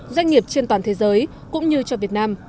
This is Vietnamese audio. doanh nghiệp trên toàn thế giới cũng như cho việt nam